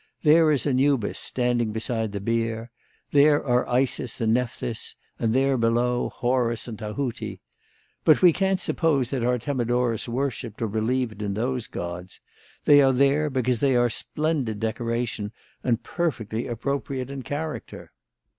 There is Anubis standing beside the bier; there are Isis and Nephthys, and there below, Horus and Tahuti. But we can't suppose that Artemidorus worshipped or believed in those gods. They are there because they are splendid decoration and perfectly appropriate in character.